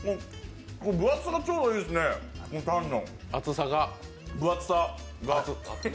分厚さがちょうどいいですね、タンの。